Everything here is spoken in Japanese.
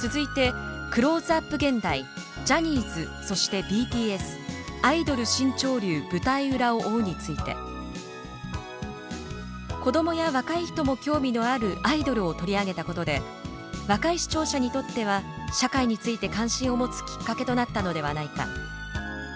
続いて「クローズアップ現代」「ジャニーズそしてＢＴＳアイドル新潮流舞台裏を追う」について「子供や若い人も興味のあるアイドルを取り上げたことで若い視聴者にとっては社会について関心を持つきっかけとなったのではないか」